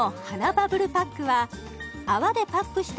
バブルパックは泡でパックした